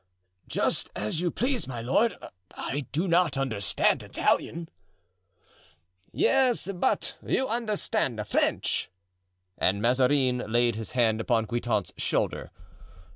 "Just as you please, my lord. I do not understand Italian." "Yes, but you understand French," and Mazarin laid his hand upon Guitant's shoulder.